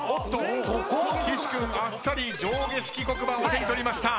岸君あっさり上下式黒板を手に取りました。